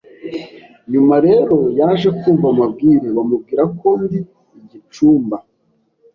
nyuma rero yaje kumva amabwire bamubwira ko ndi igicumba